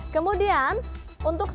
kemudian untuk sekitar